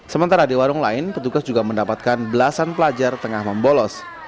sementara di warung lain petugas juga mendapatkan belasan pelajar tengah membolos